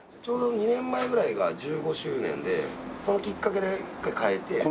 ちょうど２年前ぐらいが１５周年でそのきっかけで１回変えて。